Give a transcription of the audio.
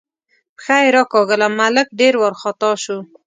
پښه یې راکاږله، ملک ډېر وارخطا شو.